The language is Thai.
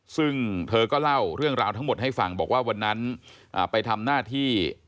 ซึ่งเธอก็เล่าเรื่องราวทั้งหมดให้ฟังบอกว่าวันนั้นไปทำหน้าที่